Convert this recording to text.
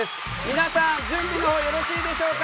皆さん準備の方よろしいでしょうか？